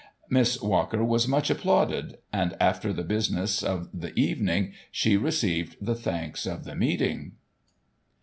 Miss Walker was much applauded ; and, after the business of the evening, she received the thanks of the meeting.